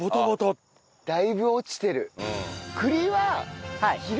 だいぶ落ちてる。